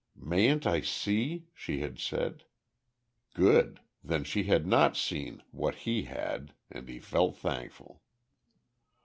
"Mayn't I see?" she had said. Good! Then she had not seen what he had, and he felt thankful.